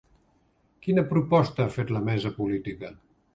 Quina proposta ha fet la Mesa política?